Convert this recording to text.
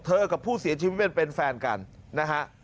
กับผู้เสียชีวิตเป็นแฟนกันนะฮะ